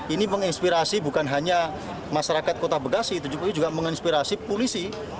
ini menginspirasi bukan hanya masyarakat kota bekasi tetapi juga menginspirasi polisi